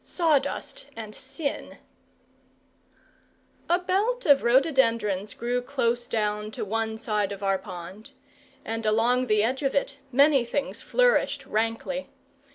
SAWDUST AND SIN A belt of rhododendrons grew close down to one side of our pond; and along the edge of it many things flourished rankly.